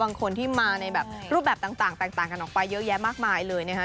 บางคนที่มาในแบบรูปแบบต่างแตกต่างกันออกไปเยอะแยะมากมายเลยนะคะ